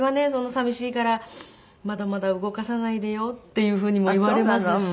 「寂しいからまだまだ動かさないでよ」っていうふうにも言われますし。